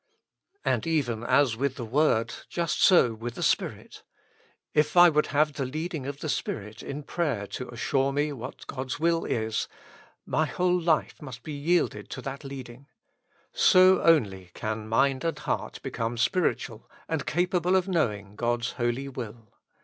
And even as with the word, just so with the Spirit : if I would have the leading of the Spirit in prayer to assure me what God's will is, my whole life must be yielded to that leading ; so only can mind and heart become spiritual and capable of knowing 238 With Christ in the School of Prayer. God's holy will.